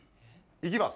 行きます。